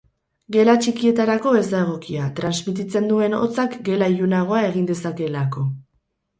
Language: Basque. Gela txikietarako ez da egokia, transmititzen duen hotzak gela ilunagoa egin dezakeelako.